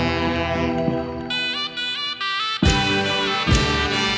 กลับไปที่นี่